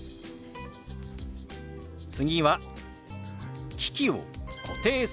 次は「機器を固定する」。